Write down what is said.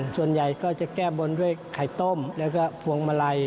ส่วนใหญ่ก็จะแก้บนด้วยไข่ต้มแล้วก็พวงมาลัย